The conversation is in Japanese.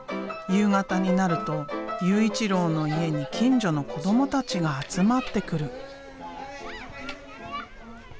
夕方になると悠一郎の家に近所の子どもたちが集まってくる。